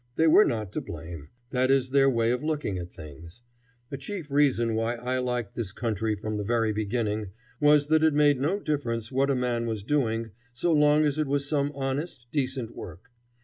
They were not to blame. That is their way of looking at things. A chief reason why I liked this country from the very beginning was that it made no difference what a man was doing, so long as it was some honest, decent work.